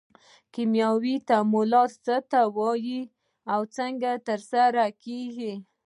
کیمیاوي تعامل څه ته وایي او څنګه ترسره کیږي